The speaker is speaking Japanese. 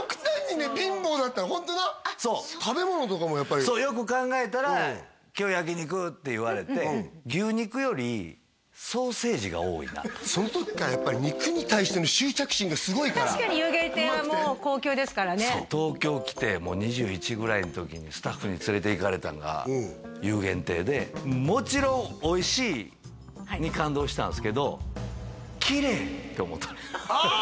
そう食べ物とかもやっぱりそうよく考えたら今日焼き肉って言われてその時からやっぱり肉に対しての執着心がすごいから確かに游玄亭は高級ですからね東京来てもう２１ぐらいの時にスタッフに連れていかれたんが游玄亭でもちろんおいしいに感動したんですけど「きれぇ」って思ったのああ